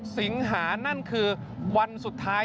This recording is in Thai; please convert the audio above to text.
สิงหานั่นคือวันสุดท้าย